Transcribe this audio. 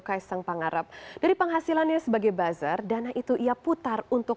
kaisang pangarap dari penghasilannya sebagai buzzer dana itu ia putar untuk